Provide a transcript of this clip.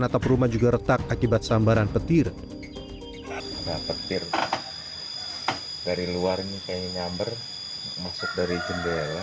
atap rumah juga retak akibat sambaran petir ada petir dari luar ini kayaknya nyamber masuk dari jendela